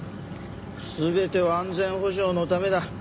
全ては安全保障のためだ。